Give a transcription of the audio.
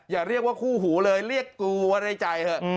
อย่าเรียกว่าคู่หูเลยเรียกกูไว้ในใจเถอะ